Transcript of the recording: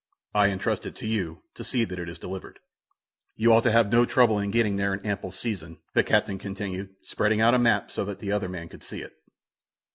I entrust it to you, to see that it is delivered. "You ought to have no trouble in getting there in ample season," the captain continued, spreading out a map so that the other man could see it.